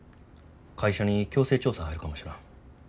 会社に強制調査入るかもしらん。